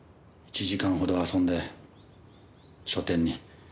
１時間ほど遊んで書店に。